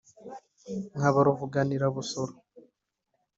nkaba ruvuganira-busoro